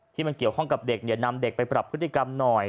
ที่มันเกี่ยวข้องกับเด็กนำเด็กไปปรับพฤติกรรมหน่อย